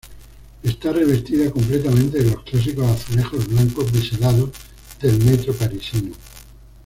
Está revestida completamente de los clásicos azulejos blancos biselados del metro parisino.